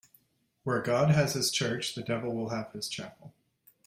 Where God has his church, the devil will have his chapel.